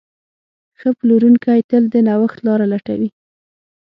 ښه پلورونکی تل د نوښت لاره لټوي.